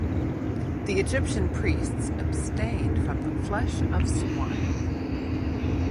The Egyptian priests abstained from the flesh of swine.